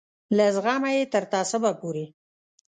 له زغمه یې تر تعصبه پورې.